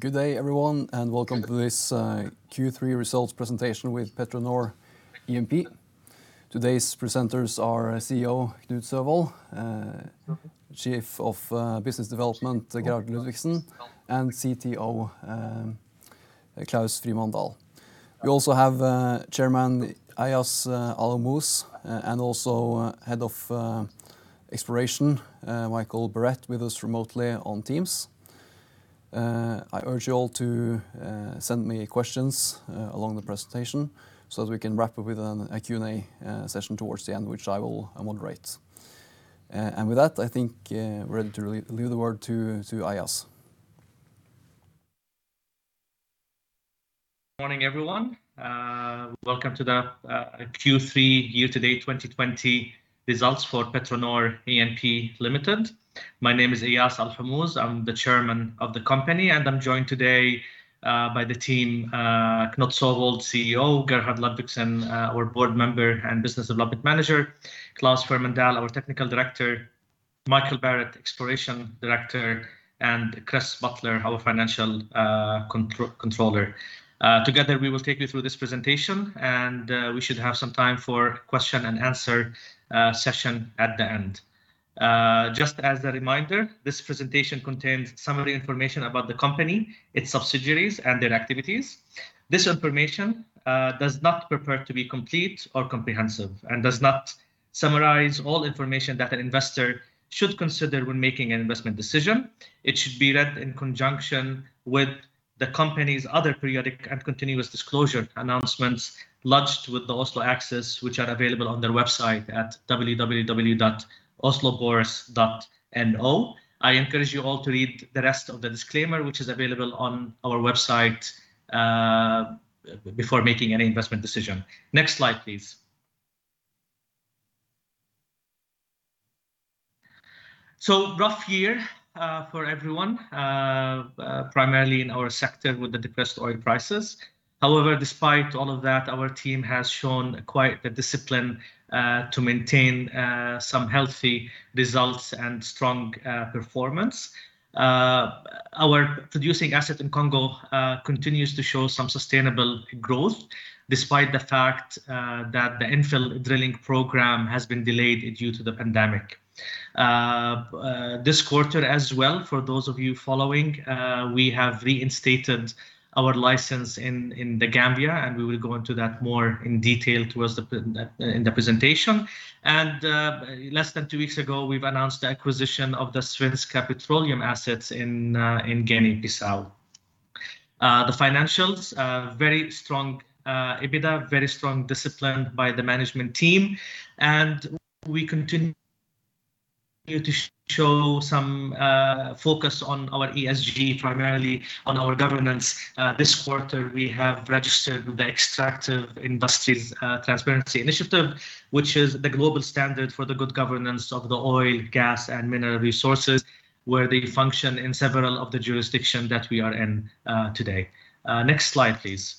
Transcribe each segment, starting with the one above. Good day everyone, and welcome to this Q3 results presentation with PetroNor E&P. Today's presenters are CEO Knut Søvold, Chief of Business Development Gerhard Ludvigsen, and CTO Claus Frimann-Dahl. We also have Chairman Eyas Alhomouz, and also Head of Exploration Michael Barrett with us remotely on Teams. I urge you all to send me questions along the presentation so that we can wrap up with a Q&A session towards the end, which I will moderate. With that, I think we're ready to leave the word to Eyas. Morning, everyone. Welcome to the Q3 year-to-date 2020 results for PetroNor E&P Limited. My name is Eyas Alhomouz. I'm the chairman of the company, and I'm joined today by the team, Knut Søvold, CEO, Gerhard Ludvigsen, our board member and Business Development Manager, Claus Frimann-Dahl, our Technical Director, Michael Barrett, Exploration Director, and Chris Butler, our Financial Controller. Together we will take you through this presentation, and we should have some time for question and answer session at the end. Just as a reminder, this presentation contains summary information about the company, its subsidiaries, and their activities. This information does not purport to be complete or comprehensive and does not summarize all information that an investor should consider when making an investment decision. It should be read in conjunction with the company's other periodic and continuous disclosure announcements lodged with the Oslo Axess, which are available on their website at www.oslobors.no. I encourage you all to read the rest of the disclaimer, which is available on our website, before making any investment decision. Next slide, please. Rough year for everyone, primarily in our sector with the depressed oil prices. However, despite all of that, our team has shown quite the discipline to maintain some healthy results and strong performance. Our producing asset in Congo continues to show some sustainable growth, despite the fact that the infill drilling program has been delayed due to the pandemic. This quarter as well, for those of you following, we have reinstated our license in The Gambia, and we will go into that more in detail in the presentation. Less than two weeks ago, we've announced the acquisition of the Svenska Petroleum assets in Guinea-Bissau. The financials are very strong. EBITDA very strong discipline by the management team. We continue to show some focus on our ESG, primarily on our governance. This quarter, we have registered the Extractive Industries Transparency Initiative, which is the global standard for the good governance of the oil, gas, and mineral resources where they function in several of the jurisdictions that we are in today. Next slide, please.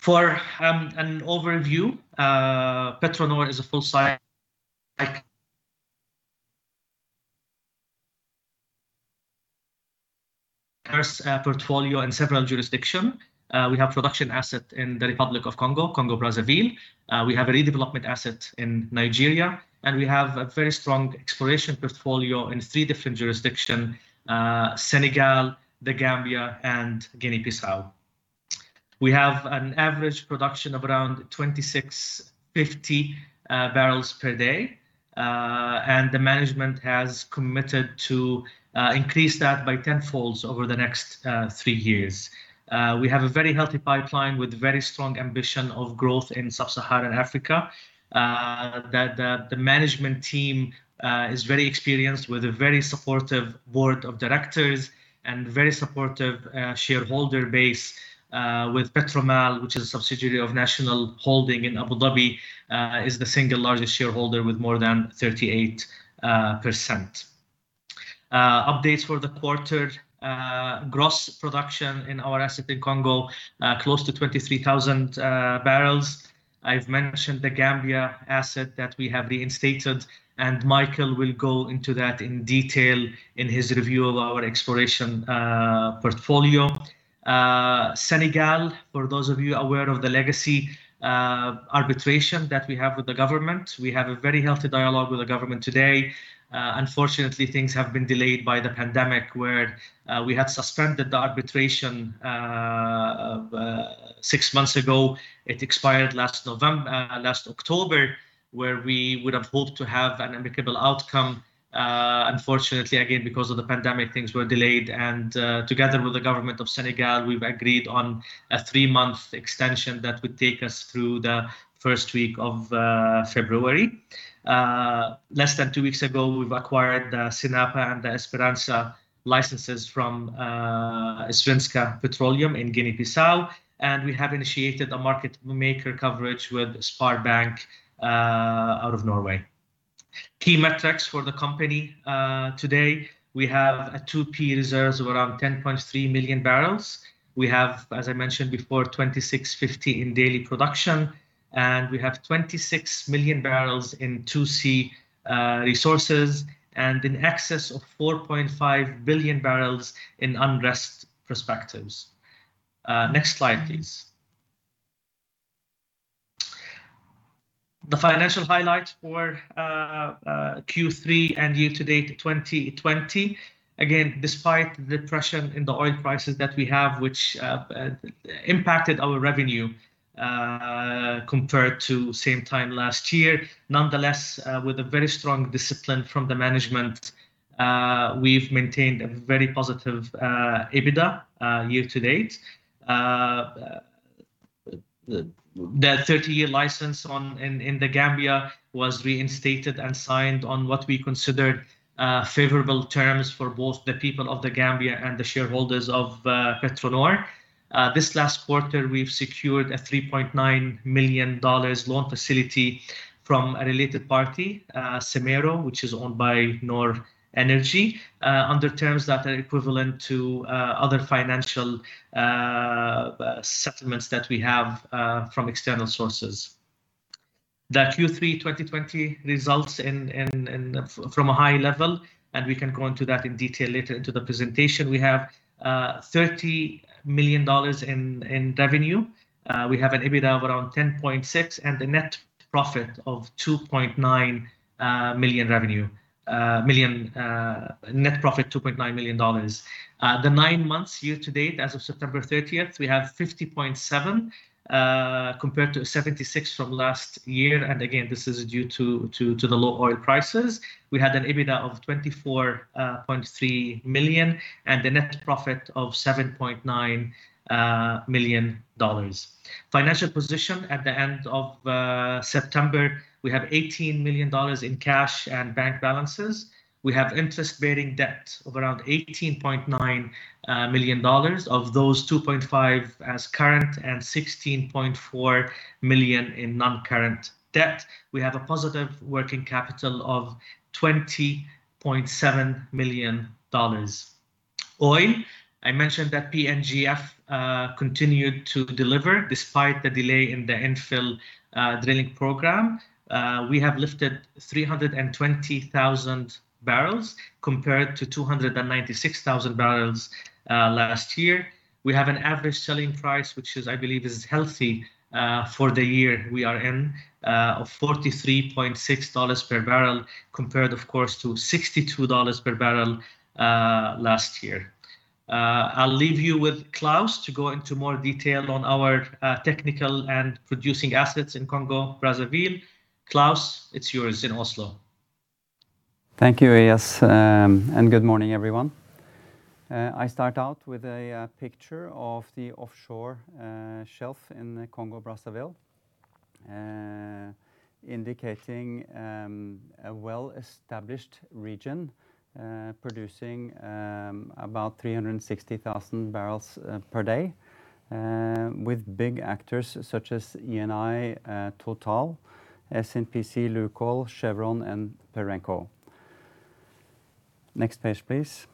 For an overview, PetroNor is a full-cycle portfolio in several jurisdictions. We have production assets in the Republic of Congo-Brazzaville. We have redevelopment assets in Nigeria, and we have a very strong exploration portfolio in three different jurisdictions: Senegal, The Gambia, and Guinea-Bissau. We have an average production of around 2,650 bbl per day. The management has committed to increase that by tenfolds over the next three years. We have a very healthy pipeline with very strong ambition of growth in Sub-Saharan Africa. The management team is very experienced with a very supportive board of directors and very supportive shareholder base, with Petromal, which is a subsidiary of National Holding in Abu Dhabi, is the single largest shareholder with more than 38%. Updates for the quarter. Gross production in our asset in Congo, close to 23,000 bbl. I've mentioned The Gambia asset that we have reinstated. Michael will go into that in detail in his review of our exploration portfolio. Senegal, for those of you aware of the legacy arbitration that we have with the government, we have a very healthy dialogue with the government today. Unfortunately, things have been delayed by the pandemic, where we had suspended the arbitration six months ago. It expired last October, where we would have hoped to have an amicable outcome. Unfortunately, again, because of the pandemic, things were delayed, together with the government of Senegal, we've agreed on a three-month extension that would take us through the first week of February. Less than two weeks ago, we've acquired the Sinapa and the Esperança licenses from Svenska Petroleum in Guinea-Bissau. We have initiated a market maker coverage with SpareBank out of Norway. Key metrics for the company. Today, we have a 2P reserves of around 10.3 million barrels. We have, as I mentioned before, 2,650 in daily production. We have 26 million barrels in 2C resources and in excess of 4.5 billion barrels in undiscovered prospects. Next slide, please. Despite the depression in the oil prices that we have, which impacted our revenue compared to same time last year, nonetheless, with a very strong discipline from the management, we've maintained a very positive EBITDA year-to-date. The 30-year license in The Gambia was reinstated and signed on what we considered favorable terms for both the people of The Gambia and the shareholders of PetroNor. This last quarter, we've secured a $3.9 million loan facility from a related party, Symero, which is owned by NOR Energy, under terms that are equivalent to other financial settlements that we have from external sources. The Q3 2020 results from a high level. We can go into that in detail later into the presentation. We have $30 million in revenue. We have an EBITDA of around 10.6 and a net profit of $2.9 million. The nine months year to date as of September 30th, we have $50.7, compared to $76 from last year. Again, this is due to the low oil prices. We had an EBITDA of $24.3 million and a net profit of $7.9 million. Financial position at the end of September, we have $18 million in cash and bank balances. We have interest-bearing debt of around $18.9 million. Of those, $2.5 as current and $16.4 million in non-current debt. We have a positive working capital of $20.7 million. Oil, I mentioned that PNGF continued to deliver despite the delay in the infill drilling program. We have lifted 320,000 bbl compared to 296,000 bbl last year. We have an average selling price, which is, I believe, is healthy for the year we are in of $43.6 per barrel, compared, of course, to $62 per barrel last year. I'll leave you with Claus to go into more detail on our technical and producing assets in Congo, Brazzaville. Claus, it's yours in Oslo. Thank you, Eyas, and good morning, everyone. I start out with a picture of the offshore shelf in Congo, Brazzaville, indicating a well-established region producing about 360,000 bbl per day with big actors such as Eni, Total, SNPC, Lukoil, Chevron, and Perenco. Next page, please.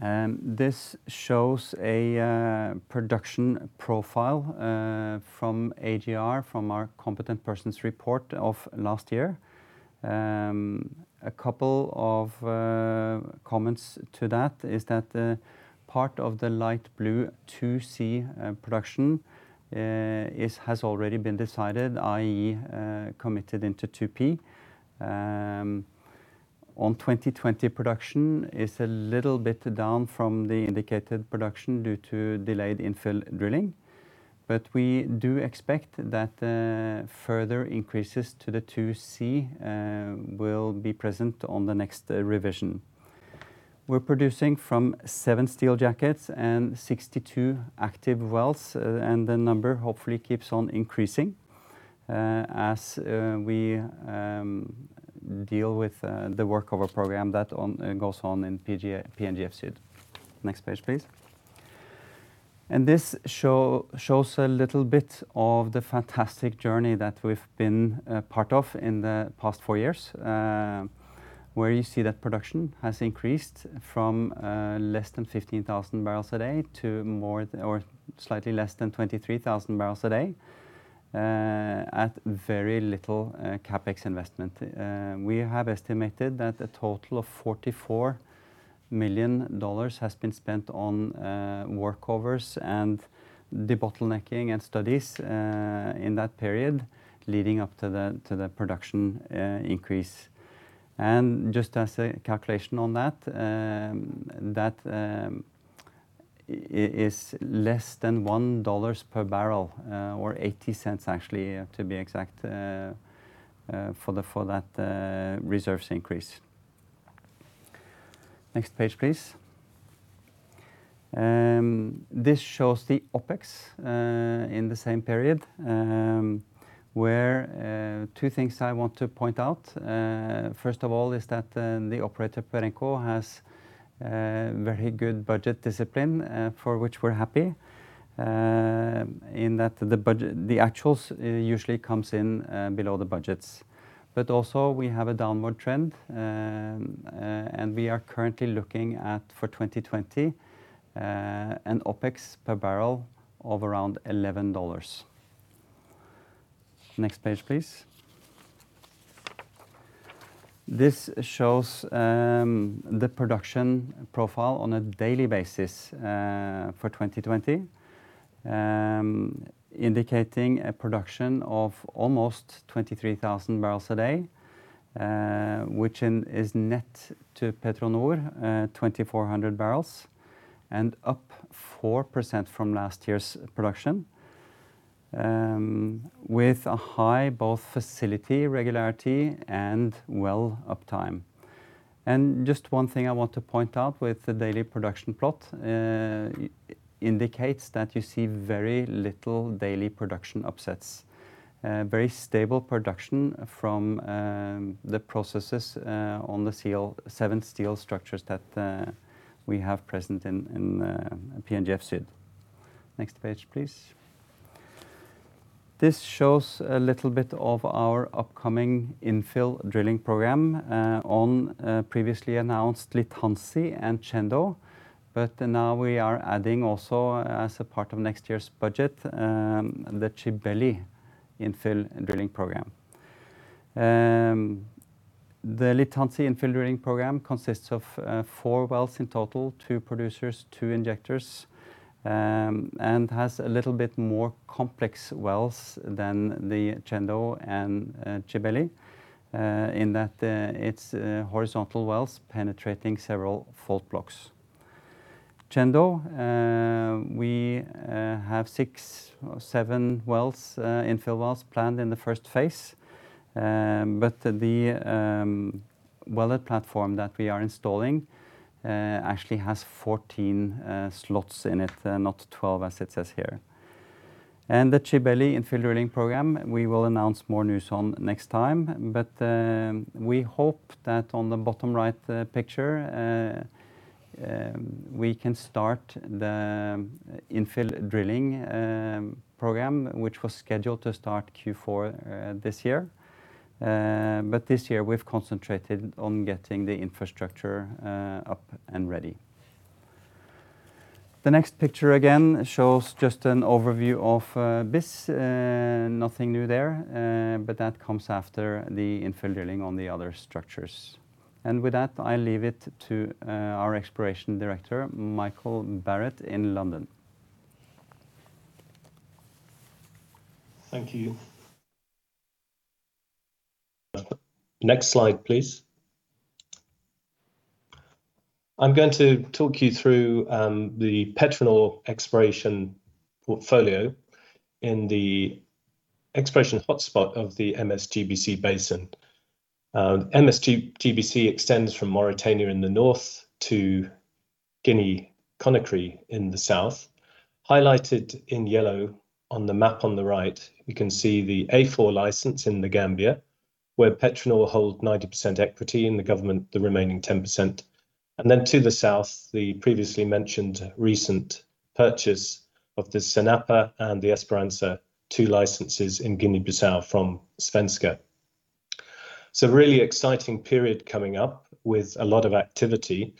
This shows a production profile from AGR, from our Competent Person's Report of last year. A couple of comments to that is that part of the light blue 2C production has already been decided, i.e., committed into 2P. On 2020 production is a little bit down from the indicated production due to delayed infill drilling. We do expect that further increases to the 2C will be present on the next revision. We're producing from seven steel jackets and 62 active wells, and the number hopefully keeps on increasing as we deal with the workover program that goes on in PNGF Sud. Next page, please. This shows a little bit of the fantastic journey that we've been a part of in the past four years, where you see that production has increased from less than 15,000 bbl a day to more or slightly less than 23,000 bbl a day at very little CapEx investment. We have estimated that a total of $44 million has been spent on workovers and the bottlenecking and studies in that period leading up to the production increase. Just as a calculation on that is less than $1 per barrel or $0.80 actually, to be exact, for that reserves increase. Next page, please. This shows the OpEx in the same period, where two things I want to point out. First of all is that the operator, Perenco, has very good budget discipline, for which we're happy, in that the actuals usually comes in below the budgets. Also we have a downward trend, and we are currently looking at for 2020 an OpEx per barrel of around $11. Next page, please. This shows the production profile on a daily basis for 2020, indicating a production of almost 23,000 bbl a day, which is net to PetroNor 2,400 bbl and up 4% from last year's production, with a high both facility regularity and well uptime. Just one thing I want to point out with the daily production plot, indicates that you see very little daily production upsets. Very stable production from the processes on the seven steel structures that we have present in PNGF Sud. Next page, please. This shows a little bit of our upcoming infill drilling program on previously announced Litanzi and Tchendo. Now we are adding also as a part of next year's budget, the Tchibeli infill drilling program. The Litanzi infill drilling program consists of our wells in total, two producers, two injectors, has a little bit more complex wells than the Tchendo and Tchibeli, in that it is horizontal wells penetrating several fault blocks. Tchendo, we have six or seven infill wells planned in the first phase. The well head platform that we are installing actually has 14 slots in it, not 12 as it says here. The Tchibeli infill drilling program, we will announce more news on next time. We hope that on the bottom right picture, we can start the infill drilling program, which was scheduled to start Q4 this year. This year we have concentrated on getting the infrastructure up and ready. The next picture again shows just an overview of Bis. Nothing new there, that comes after the infill drilling on the other structures. With that, I leave it to our Exploration Director, Michael Barrett in London. Thank you. Next slide, please. I'm going to talk you through the Petro exploration portfolio in the exploration hotspot of the MSGBC basin. MSGBC extends from Mauritania in the north to Guinea, Conakry in the south. Highlighted in yellow on the map on the right, you can see the A4 license in The Gambia, where Petro hold 90% equity and the government the remaining 10%. To the south, the previously mentioned recent purchase of the Sinapa and the Esperança, two licenses in Guinea-Bissau from Svenska. It's a really exciting period coming up with a lot of activity.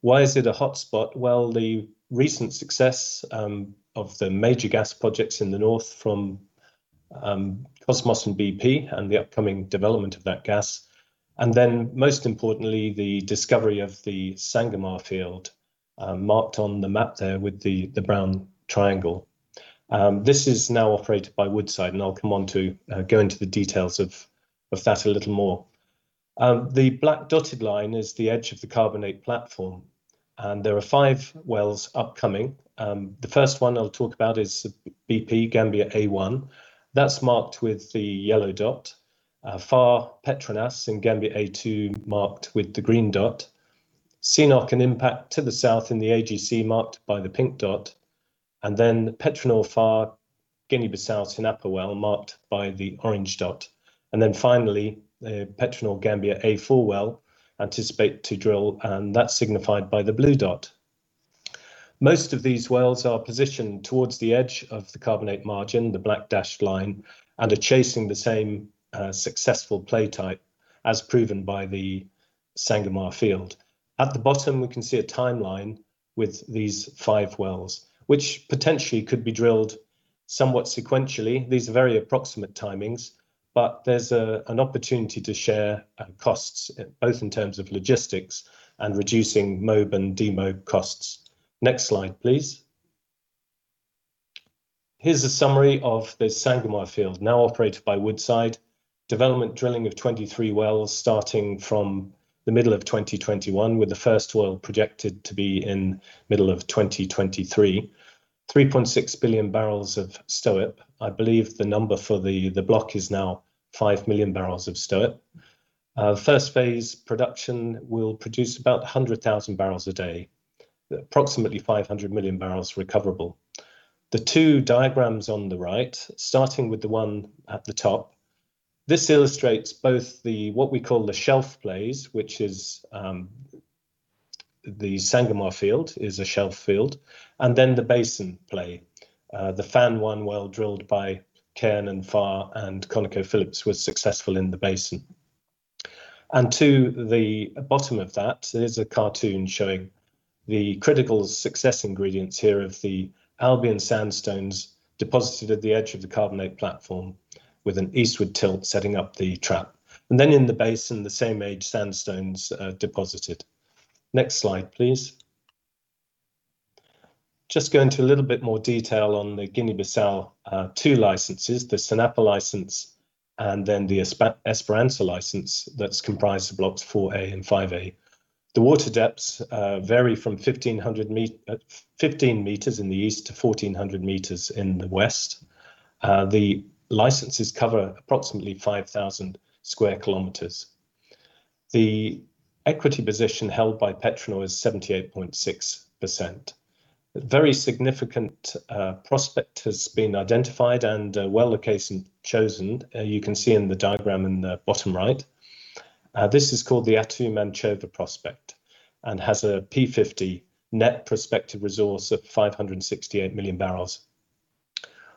Why is it a hotspot? Well, the recent success of the major gas projects in the north from Kosmos and BP and the upcoming development of that gas. Most importantly, the discovery of the Sangomar field, marked on the map there with the brown triangle. This is now operated by Woodside, I'll come on to go into the details of that a little more. The black dotted line is the edge of the carbonate platform. There are five wells upcoming. The first one I'll talk about is BP Gambia A1. That's marked with the yellow dot. FAR Petronas in Gambia A2 marked with the green dot. CNOOC and Impact to the south in the AGC marked by the pink dot. Petro FAR Guinea-Bissau Sinapa well marked by the orange dot. Finally, the Petro Gambia A4 well anticipate to drill, and that's signified by the blue dot. Most of these wells are positioned towards the edge of the carbonate margin, the black dashed line, and are chasing the same successful play type as proven by the Sangomar field. At the bottom, we can see a timeline with these five wells, which potentially could be drilled somewhat sequentially. These are very approximate timings, but there's an opportunity to share costs both in terms of logistics and reducing mob and demob costs. Next slide, please. Here's a summary of the Sangomar field now operated by Woodside. Development drilling of 23 wells starting from the middle of 2021, with the first oil projected to be in middle of 2023. 3.6 billion barrels of STOIIP. I believe the number for the block is now 5 million barrels of STOIIP. First phase production will produce about 100,000 bbl a day. Approximately 500 million barrels recoverable. The two diagrams on the right, starting with the one at the top. This illustrates both what we call the shelf plays, which is the Sangomar field is a shelf field, and then the basin play. The FAN-1 well drilled by Cairn and FAR and ConocoPhillips was successful in the basin. To the bottom of that is a cartoon showing the critical success ingredients here of the Albian sandstones deposited at the edge of the carbonate platform with an eastward tilt setting up the trap. In the basin, the same age sandstones deposited. Next slide, please. Just go into a little bit more detail on the Guinea-Bissau two licenses, the Sinapa license and then the Esperança license that's comprised of blocks 4A and 5A. The water depths vary from 15 m in the east to 1,400 m in the west. The licenses cover approximately 5,000 sq km. The equity position held by Petro is 78.6%. A very significant prospect has been identified and a well location chosen. You can see in the diagram in the bottom right. This is called the Atum/Anchova prospect and has a P50 net prospective resource of 568 million barrels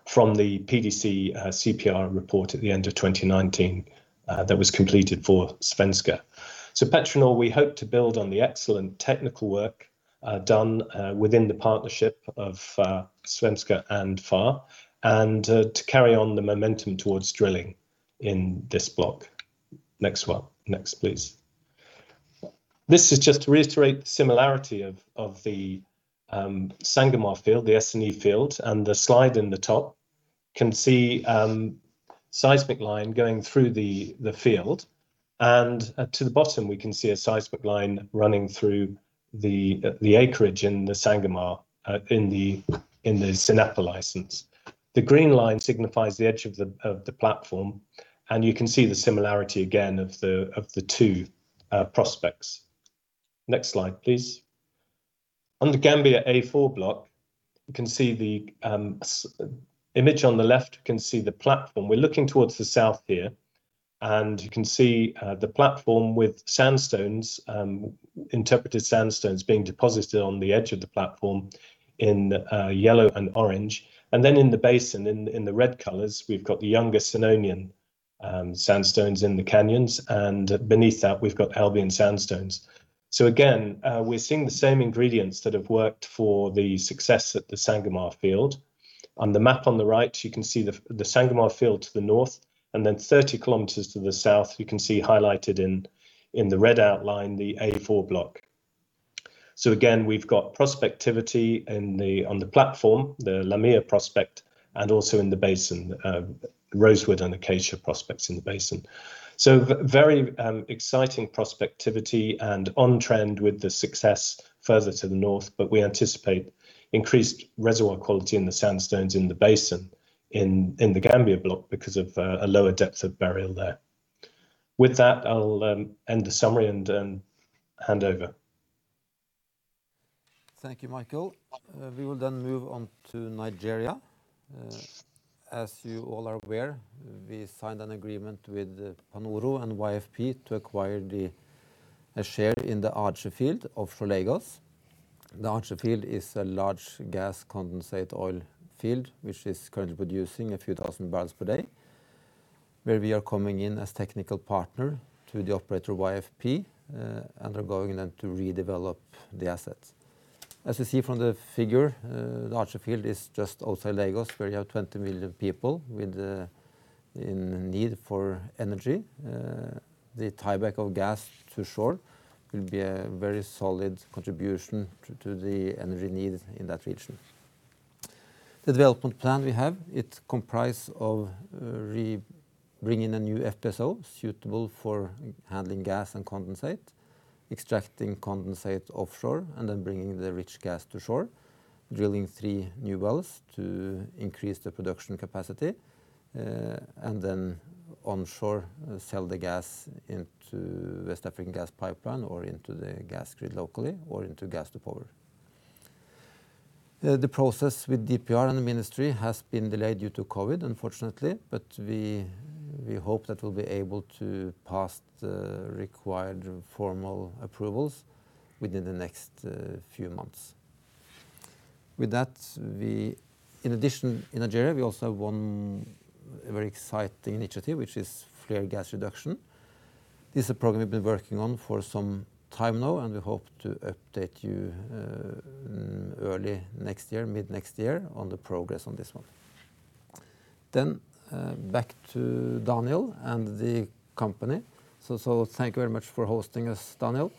from the PDC CPR report at the end of 2019 that was completed for Svenska. Petro, we hope to build on the excellent technical work done within the partnership of Svenska and FAR and to carry on the momentum towards drilling in this block. Next one. Next, please. This is just to reiterate the similarity of the Sangomar field, the SNE field, and the slide in the top can see seismic line going through the field and to the bottom, we can see a seismic line running through the acreage in the Sangomar, in the Sinapa license. The green line signifies the edge of the platform. You can see the similarity again of the two prospects. Next slide, please. On the Gambia A4 block, you can see the image on the left, you can see the platform. We're looking towards the south here. You can see the platform with sandstones, interpreted sandstones being deposited on the edge of the platform in yellow and orange. In the basin in the red colors, we've got the younger Senonian sandstones in the canyons, and beneath that, we've got Albian sandstones. Again, we're seeing the same ingredients that have worked for the success at the Sangomar field. On the map on the right, you can see the Sangomar field to the north, then 30 km to the south, you can see highlighted in the red outline, the A4 block. Again, we've got prospectivity on the platform, the Lamia prospect, and also in the basin, Rosewood and Acacia prospects in the basin. Very exciting prospectivity and on trend with the success further to the north, but we anticipate increased reservoir quality in the sandstones in the basin in the Gambia block because of a lower depth of burial there. With that, I'll end the summary and hand over. Thank you, Michael. We will move on to Nigeria. As you all are aware, we signed an agreement with Panoro and YFP to acquire the share in the Aje field off Lagos. The Aje field is a large gas condensate oil field which is currently producing a few thousand barrels per day, where we are coming in as technical partner to the operator YFP, and are going then to redevelop the assets. As you see from the figure, the Aje field is just outside Lagos, where you have 20 million people in need for energy. The tieback of gas to shore will be a very solid contribution to the energy need in that region. The development plan we have, it comprise of re-bringing a new FPSO suitable for handling gas and condensate, extracting condensate offshore, and then bringing the rich gas to shore, drilling three new wells to increase the production capacity, and then onshore, sell the gas into West African gas pipeline or into the gas grid locally or into gas to power. The process with DPR and the ministry has been delayed due to COVID, unfortunately, but we hope that we'll be able to pass the required formal approvals within the next few months. With that, in addition, in Nigeria, we also have one very exciting initiative, which is flare gas reduction. This is a program we've been working on for some time now, and we hope to update you early next year, mid-next year, on the progress on this one. Back to Daniel and the company. Thank you very much for hosting us, Daniel.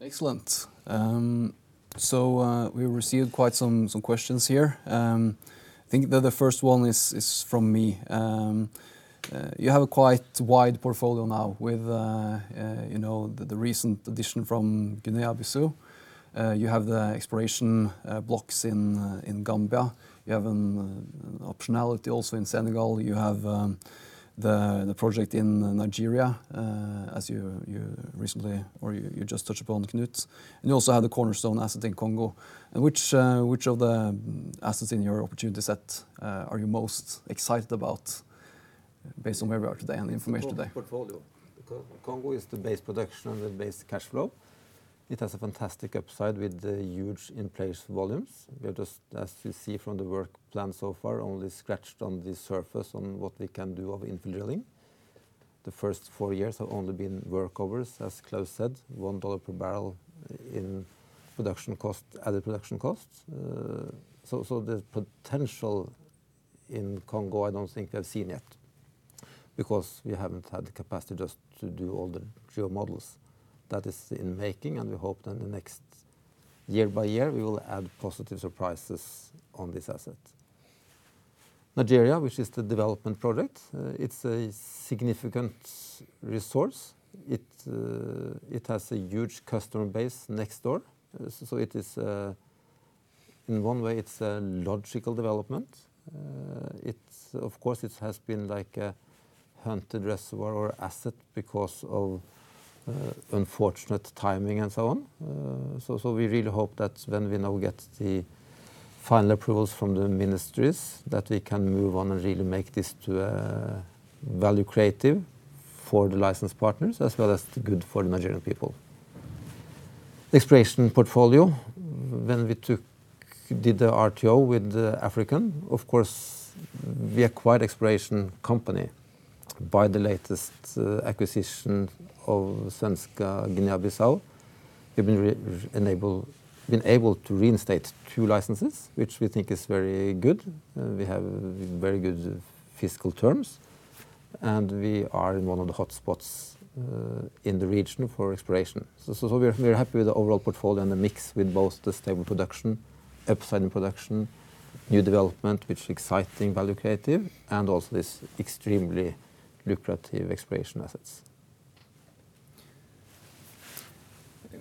Excellent. We received quite some questions here. I think that the first one is from me. You have a quite wide portfolio now with the recent addition from Guinea-Bissau. You have the exploration blocks in Gambia. You have an optionality also in Senegal. You have the project in Nigeria, as you just touched upon, Knut. You also have the cornerstone asset in Congo. Which of the assets in your opportunity set are you most excited about based on where we are today and the information today? Congo portfolio. Congo is the base production and the base cash flow. It has a fantastic upside with the huge in-place volumes. We are just, as you see from the work plan so far, only scratched on the surface on what we can do of infill drilling. The first four years have only been workovers, as Claus said, $1 per barrel in added production costs. The potential in Congo, I don't think we have seen yet because we haven't had the capacity just to do all the geo models. That is in making, and we hope that in the next year by year, we will add positive surprises on this asset. Nigeria, which is the development project, it's a significant resource. It has a huge customer base next door. In one way, it's a logical development. It has been like a hunted reservoir or asset because of unfortunate timing and so on. We really hope that when we now get the final approvals from the ministries, that we can move on and really make this to value-creative for the license partners, as well as good for the Nigerian people. Exploration portfolio, when we did the RTO with African, of course, we acquired exploration company by the latest acquisition of Svenska Guinea-Bissau. We've been able to reinstate two licenses, which we think is very good. We have very good fiscal terms, we are in one of the hot spots in the region for exploration. We're happy with the overall portfolio and the mix with both the stable production, upside in production, new development, which is exciting value-creative, and also this extremely lucrative exploration assets.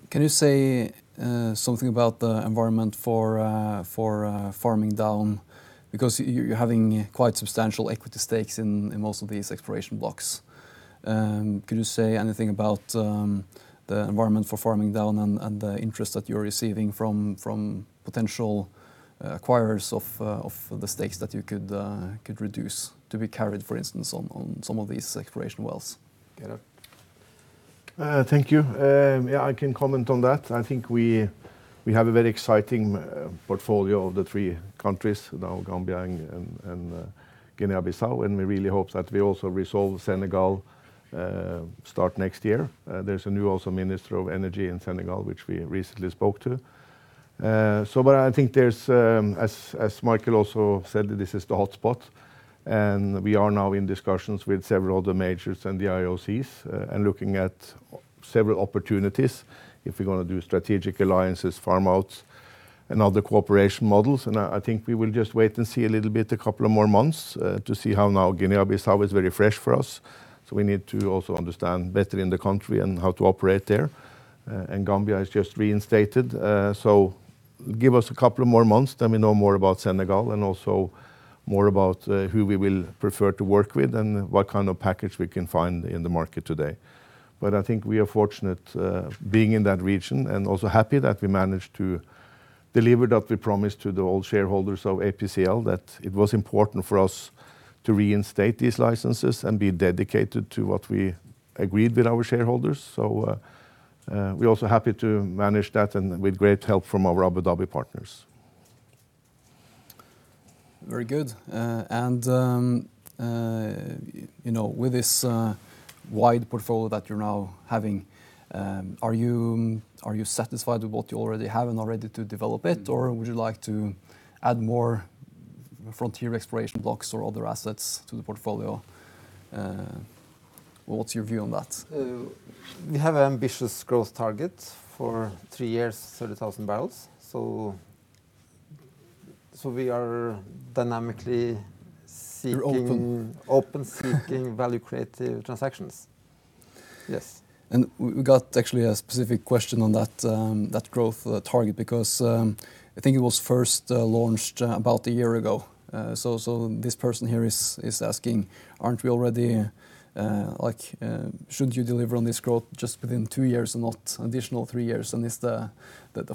Can you say something about the environment for farming down, because you're having quite substantial equity stakes in most of these exploration blocks. Could you say anything about the environment for farming down and the interest that you're receiving from potential acquirers of the stakes that you could reduce to be carried, for instance, on some of these exploration wells? Gerhard. Thank you. Yeah, I can comment on that. I think we have a very exciting portfolio of the three countries now, Gambia and Guinea-Bissau. We really hope that we also resolve Senegal start next year. There's a new also minister of energy in Senegal, which we recently spoke to. I think there's, as Michael also said, this is the hot spot. We are now in discussions with several other majors and the IOCs and looking at several opportunities if we're going to do strategic alliances, farm outs, and other cooperation models. I think we will just wait and see a little bit, a couple of more months, to see how now Guinea-Bissau is very fresh for us. We need to also understand better in the country and how to operate there. Gambia has just reinstated, so give us a couple of more months, then we know more about Senegal and also more about who we will prefer to work with and what kind of package we can find in the market today. I think we are fortunate being in that region and also happy that we managed to deliver that we promised to the old shareholders of APCL, that it was important for us to reinstate these licenses and be dedicated to what we agreed with our shareholders. We're also happy to manage that and with great help from our Abu Dhabi partners. Very good. With this wide portfolio that you're now having, are you satisfied with what you already have and are ready to develop it, or would you like to add more frontier exploration blocks or other assets to the portfolio? What's your view on that? We have ambitious growth targets for three years, 30,000 bbl. We're open. Open, seeking value creative transactions. Yes. We got actually a specific question on that growth target because I think it was first launched about one year ago. This person here is asking, shouldn't you deliver on this growth just within two years and not additional three years? Is the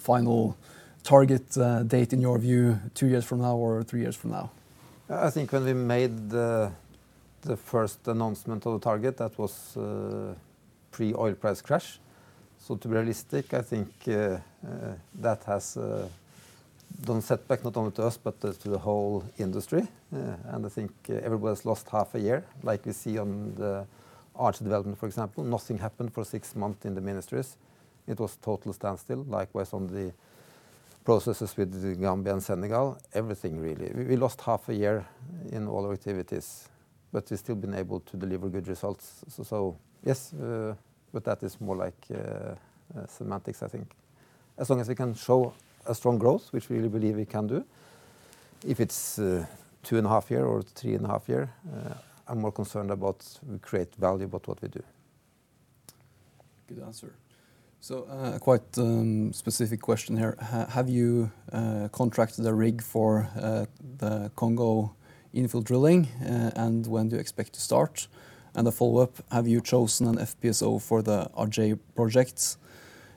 final target date, in your view, two years from now or three years from now? I think when we made the first announcement of the target, that was pre-oil price crash. To be realistic, I think that has done setback not only to us but to the whole industry. I think everybody's lost half a year, like we see on the Aje development, for example, nothing happened for six months in the ministries. It was total standstill. Likewise, on the processes with The Gambia and Senegal, everything really. We lost half a year in all our activities, but we've still been able to deliver good results. Yes, but that is more like semantics, I think. As long as we can show a strong growth, which we believe we can do, if it's two and a half year or three and a half year, I'm more concerned about we create value about what we do. Good answer. A quite specific question here. Have you contracted a rig for the Congo infill drilling, and when do you expect to start? A follow-up, have you chosen an FPSO for the Aje project?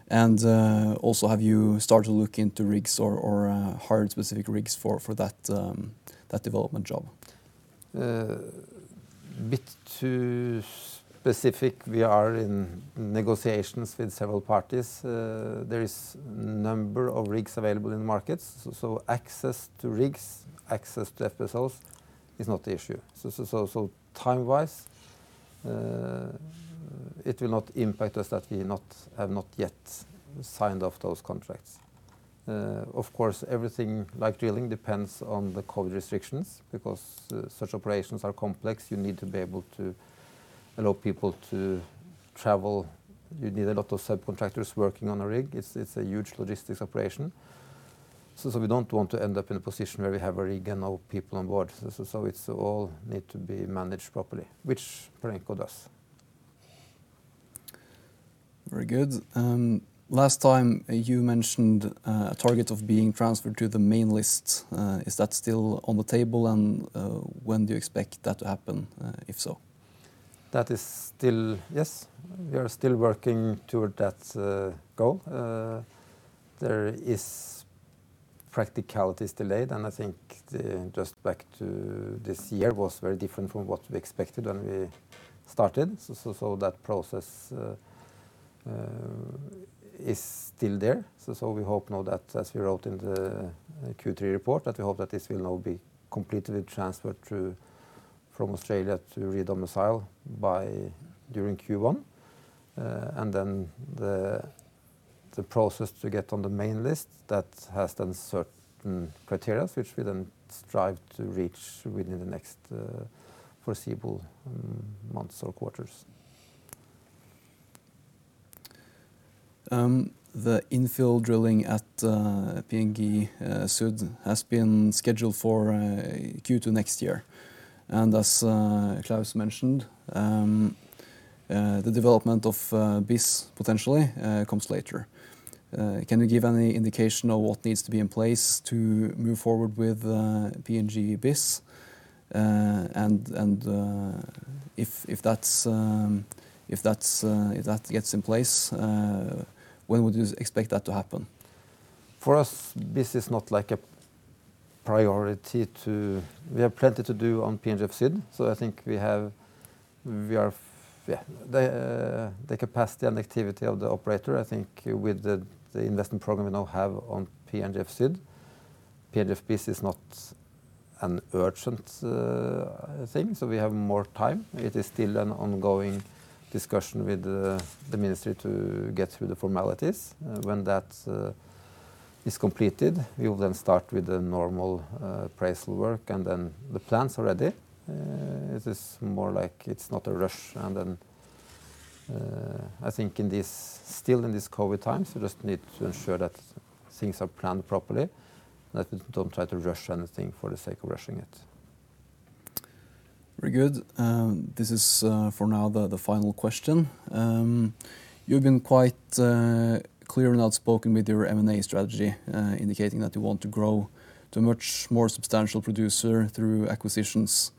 Also, have you started to look into rigs or hired specific rigs for that development job? Bit too specific. We are in negotiations with several parties. There is number of rigs available in the markets, so access to rigs, access to FPSOs is not the issue. Time-wise, it will not impact us that we have not yet signed off those contracts. Of course, everything like drilling depends on the COVID restrictions, because such operations are complex. You need to be able to allow people to travel. You need a lot of subcontractors working on a rig. It's a huge logistics operation. We don't want to end up in a position where we have a rig and no people on board. It all needs to be managed properly, which Perenco does. Very good. Last time you mentioned a target of being transferred to the main list. Is that still on the table? When do you expect that to happen, if so? Yes, we are still working toward that goal. Practicalities delayed, I think the interest back to this year was very different from what we expected when we started. That process is still there. We hope now that, as we wrote in the Q3 report, we hope that this will now be completely transferred from Australia to re-domicile during Q1. The process to get on the main list, that has then certain criteria, which we then strive to reach within the next foreseeable months or quarters. The infill drilling at PNGF Sud has been scheduled for Q2 next year. As Claus mentioned, the development of Bis potentially comes later. Can you give any indication of what needs to be in place to move forward with PNG Bis? If that gets in place, when would you expect that to happen? For us, this is not a priority. We have plenty to do on PNGF Sud. I think the capacity and activity of the operator, I think with the investment program we now have on PNGF Sud, PNGF Bis is not an urgent thing, so we have more time. It is still an ongoing discussion with the ministry to get through the formalities. When that is completed, we will then start with the normal appraisal work and then the plans are ready. It is more like it's not a rush. Then, I think, still in this COVID times, we just need to ensure that things are planned properly, that we don't try to rush anything for the sake of rushing it. Very good. This is, for now, the final question. You've been quite clear and outspoken with your M&A strategy, indicating that you want to grow to a much more substantial producer through acquisitions.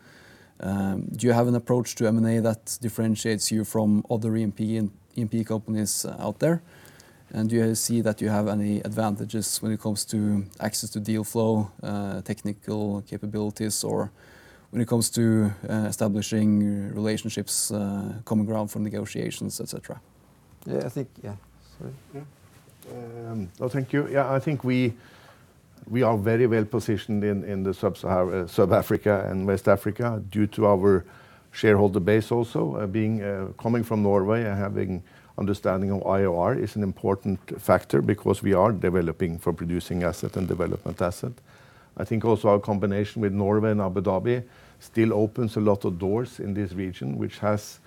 Do you have an approach to M&A that differentiates you from other E&P companies out there? Do you see that you have any advantages when it comes to access to deal flow, technical capabilities, or when it comes to establishing relationships, common ground for negotiations, et cetera? Yeah, I think, yeah. Sorry. Yeah. Oh, thank you. I think we are very well-positioned in Sub-Saharan Africa and West Africa due to our shareholder base also. Coming from Norway and having understanding of IOR is an important factor because we are developing for producing asset and development asset. I think also our combination with Norway and Abu Dhabi still opens a lot of doors in this region, which has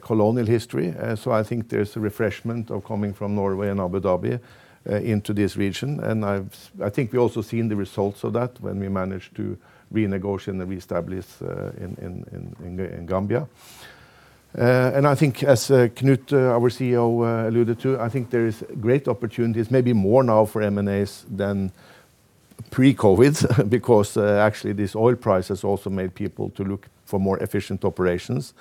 colonial history. I think there's a refreshment of coming from Norway and Abu Dhabi into this region, and I think we also seen the results of that when we managed to renegotiate and reestablish in Gambia. I think as Knut, our CEO, alluded to, I think there is great opportunities, maybe more now for M&As than pre-COVID because actually this oil price has also made people to look for more efficient operations.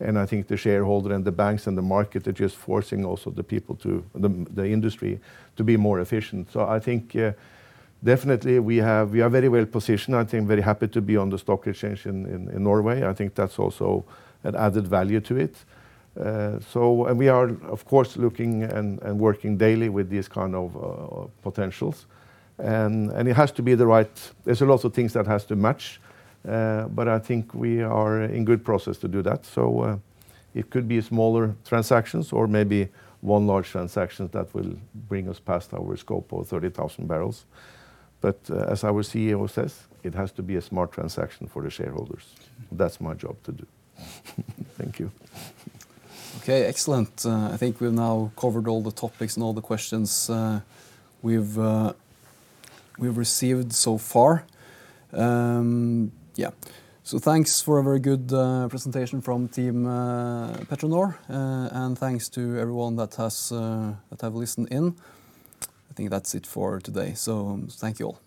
I think the shareholder and the banks and the market are just forcing also the industry to be more efficient. I think definitely we are very well-positioned. I think very happy to be on the stock exchange in Norway. I think that's also an added value to it. We are, of course, looking and working daily with these kind of potentials. There's a lot of things that has to match, but I think we are in good process to do that. It could be smaller transactions or maybe one large transaction that will bring us past our scope of 30,000 bbl. As our CEO says, it has to be a smart transaction for the shareholders. That's my job to do. Thank you. Okay, excellent. I think we've now covered all the topics and all the questions we've received so far. Yeah. Thanks for a very good presentation from Team PetroNor, and thanks to everyone that have listened in. I think that's it for today, so thank you all.